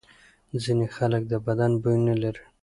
ځینې خلک د بدن بوی نه لري.